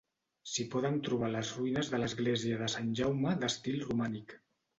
S'hi poden trobar les ruïnes de l'església de Sant Jaume d'estil romànic.